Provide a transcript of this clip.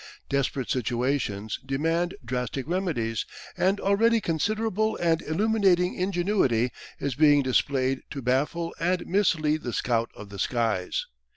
Desperate situations demand drastic remedies and already considerable and illuminating ingenuity is being displayed to baffle and mislead the scout of the skies.